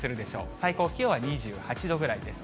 最高気温は２８度ぐらいです。